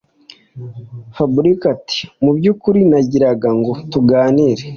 fabric ati”mubyukuri nagiraga ngo tuganire